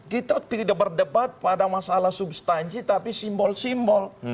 kita tidak berdebat pada masalah substansi tapi simbol simbol